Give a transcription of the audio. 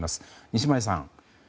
西前さん。